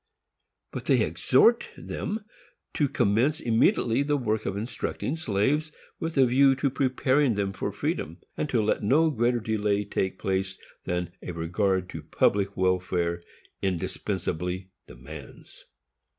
But they exhort them to commence immediately the work of instructing slaves, with a view to preparing them for freedom; and to let no greater delay take place than "a regard to public welfare indispensably demands."